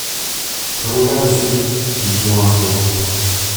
Prenons garde, monsieur Dick, dit Joe en respirant.